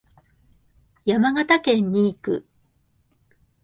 山形県に行く。